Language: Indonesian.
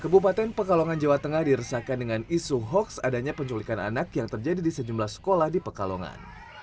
kebupaten pekalongan jawa tengah diresahkan dengan isu hoax adanya penculikan anak yang terjadi di sejumlah sekolah di pekalongan